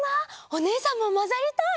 おねえさんもまざりたい！